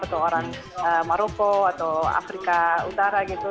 atau orang maroko atau afrika utara gitu